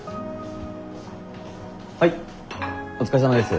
はいお疲れさまです。